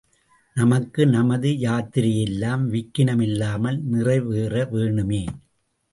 நமக்கும், நமது யாத்திரையெல்லாம் விக்கினமில்லாமல், நிறைவேற வேணுமே!